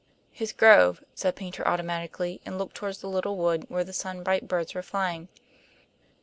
"His grove," said Paynter automatically, and looked toward the little wood, where the sunbright birds were flying.